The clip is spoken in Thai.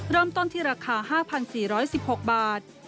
เริ่มต้นที่ราคา๕๔๑๖บาท